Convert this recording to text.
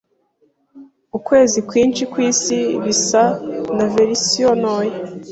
ukwezi kwinshi kwisi bisa na verisiyo ntoya